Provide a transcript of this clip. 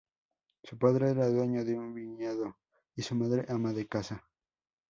Su padre era dueño de un viñedo y su madre ama de casa.